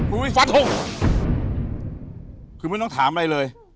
คุณวิธีฟันธงคุณไม่ต้องถามอะไรเลย